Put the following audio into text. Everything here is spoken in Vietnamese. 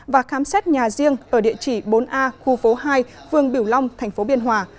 và khám xét nhà riêng ở địa chỉ bốn a khu phố hai vườn biểu long tp biên hòa